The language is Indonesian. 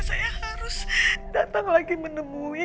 saya harus datang lagi menemui